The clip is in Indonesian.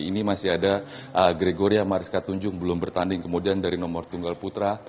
ini masih ada gregoria mariska tunjung belum bertanding kemudian dari nomor tunggal putra